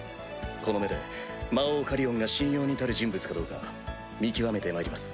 この目で魔王カリオンが信用に足る人物かどうか見極めてまいります。